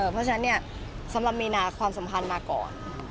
เพราะฉะนั้นสำหรับมีนาความสำคัญมาก่อน